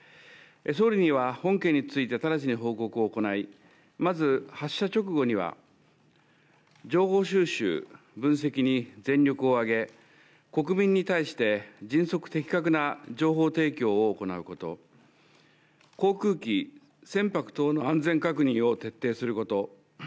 総理には本件について直ちに報告を行い、まず発射直後には、情報収集、分析に全力をあげ、国民に対して迅速、的確な情報提供を行うこと、航空機、船舶等の安全確認を徹底すること。